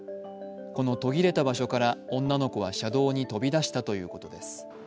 この途切れた場所から女の子は車道に飛び出したということです。